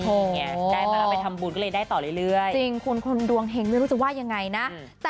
โอ้โหจริงคุณคนดวงเหงไม่รู้จะว่ายังไงนะ